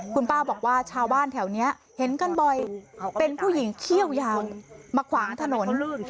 คุณป้าบอกว่าชาวบ้านแถวนี้เห็นกันบ่อยเป็นผู้หญิงเขี้ยวยาวมาขวางถนน